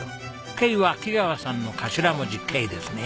Ｋは木川さんの頭文字Ｋですね。